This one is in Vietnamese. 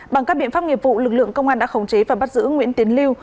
bằng các biện pháp nghiệp vụ lực lượng công an đã khống chế và bắt giữ nguyễn tiến lưu